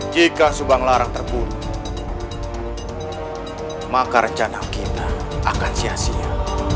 jika subang larang terbunuh maka rencana kita akan sia sia